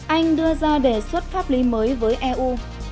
anh đưa ra đề xuất pháp lý mới với eu